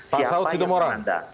pak saud sidomoran